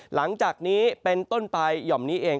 หลังจากนี้เป็นต้นไปหย่อมนี้เอง